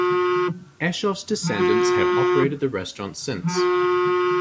Eschoff's descendants have operated the restaurant since.